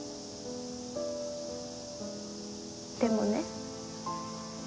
でもね。